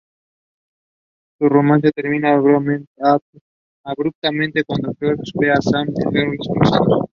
Su romance termina abruptamente cuando George ve a Sam y Harrison besándose.